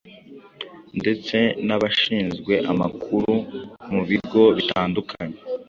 ndetse n’abashinzwe amakuru mu bigo bitandukanye.